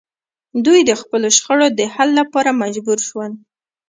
دوی د خپلو شخړو د حل لپاره مجبور شول